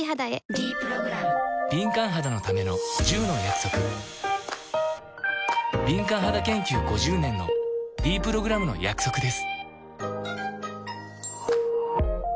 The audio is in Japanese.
「ｄプログラム」敏感肌研究５０年のｄプログラムの約束です